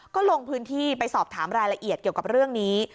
ก็ลงพื้นที่ไปสอบถามรายละเอียดเกี่ยวกับเรื่องนี้